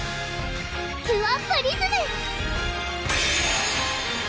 キュアプリズム！